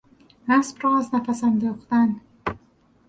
اسب را از نفس انداختن